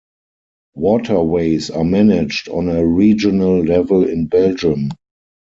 Waterways are managed on a regional level in Belgium.